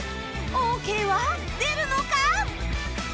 オーケーは出るのか！？